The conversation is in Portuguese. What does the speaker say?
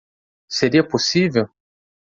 Seria possível?